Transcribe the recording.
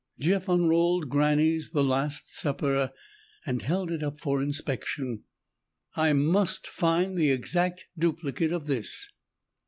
Jeff unrolled Granny's The Last Supper and held it up for inspection. "I must find the exact duplicate of this."